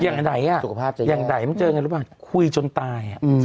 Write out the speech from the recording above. อย่างไหนมันเจออย่างไรหรือเปล่าคุยจนตาย